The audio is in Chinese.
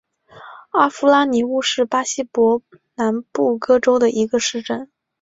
阿夫拉尼乌是巴西伯南布哥州的一个市镇。